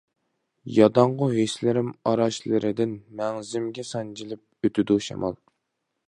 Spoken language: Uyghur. ياداڭغۇ ھېسلىرىم ئاراچلىرىدىن، مەڭزىمگە سانجىلىپ ئۆتىدۇ شامال.